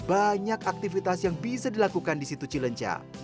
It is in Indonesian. banyak aktivitas yang bisa dilakukan di situ cilenca